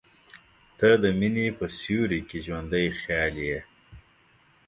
• ته د مینې په سیوري کې ژوندی خیال یې.